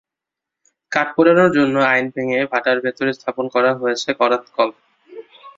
কাঠ পোড়ানোর জন্য আইন ভেঙে ভাটার ভেতর স্থাপন করা হয়েছে করাতকল।